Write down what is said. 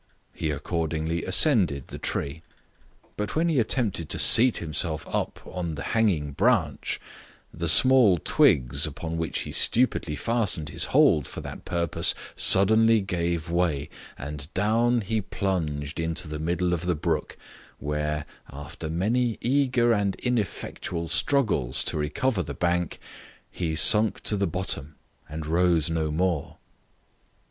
He accordingly ascended the tree; but when he attempted to seat himself upon the hanging branch the small twigs, upon which he stupidly fastened his hold for that purpose, suddenly gave way, and down he plunged into the middle of the brook, where, after many eager and ineffectual struggles to recover the bank, he sunk to the bottom, and rose no more.